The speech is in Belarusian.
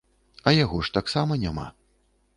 А яго ж таксама няма.